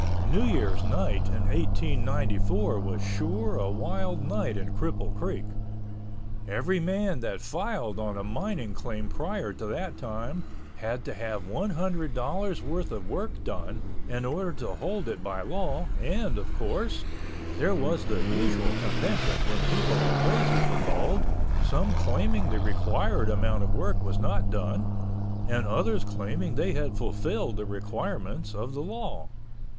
New Year's night in 1894 was sure a wild night in Cripple Creek. Every man that filed on a mining claim prior to that time had to have one hundred dollars' worth of work done in order to hold it by law and, of course, there was the usual contention when people are crazy for gold, some claiming the required amount of work was not done—and others claiming they had fulfilled the requirements of the law.